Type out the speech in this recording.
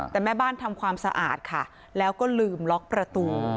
แต่แม่บ้านทำความสะอาดค่ะแล้วก็ลืมล็อกประตู